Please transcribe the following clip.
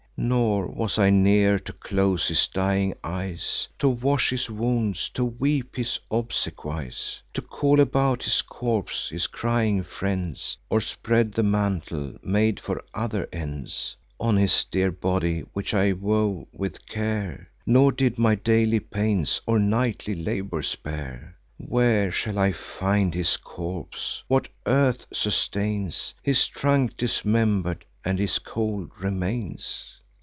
Nor was I near to close his dying eyes, To wash his wounds, to weep his obsequies, To call about his corpse his crying friends, Or spread the mantle (made for other ends) On his dear body, which I wove with care, Nor did my daily pains or nightly labour spare. Where shall I find his corpse? what earth sustains His trunk dismember'd, and his cold remains?